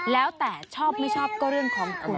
แล้วแต่ชอบไม่ชอบก็เรื่องของคุณ